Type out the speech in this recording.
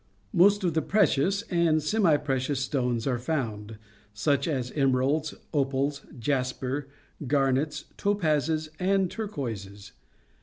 Most of the precious and semi precious stones are found, such as emeralds, opals, jasper, garnets, topazes, and turquoises.